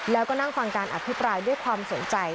แล้วก็นั่งฟังการอภิปรายด้วยความสนใจ